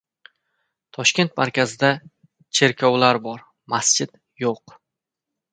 Toshkent markazida cherkovlar bor, masjid yo‘q.